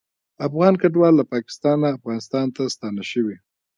افغان کډوال له پاکستانه افغانستان ته ستانه شوي